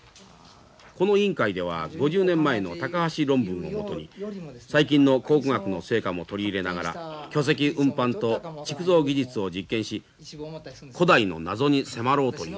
この委員会では５０年前の高橋論文を基に最近の考古学の成果も取り入れながら巨石運搬と築造技術を実験し古代の謎に迫ろうというものです。